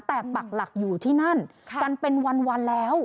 แต่ปักหลักอยู่ที่นั่นกันเป็นวันแล้ว